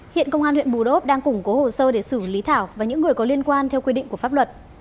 hiện công an huyện bù đốp đang củng cố hồ sơ để xử lý thảo và những người có liên quan theo quy định của pháp luật